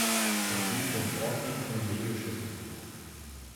Es dient dem Vortrieb von Segelschiffen.